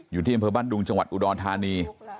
อยู่ที่อำเภอบ้านดุงจังหวัดอุดรธานี